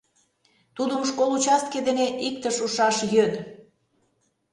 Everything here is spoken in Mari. — Тудым школ участке дене иктыш ушаш йӧн.